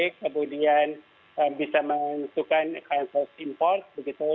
kemudian bisa menentukan kursus import